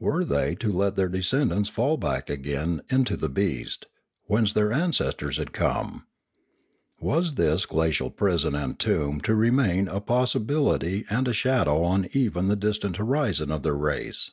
Were they to let their descendants fall back again into the beast, whence their ancestors had come ? Was this glacial prison and tomb to remain a possibility and a shadow on even the dis tant horizon of their race